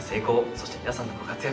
そして、皆さんのご活躍